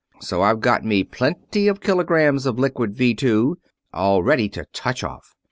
So I've got me plenty of kilograms of liquid Vee Two, all ready to touch off.